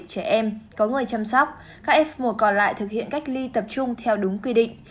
trẻ em có người chăm sóc các f một còn lại thực hiện cách ly tập trung theo đúng quy định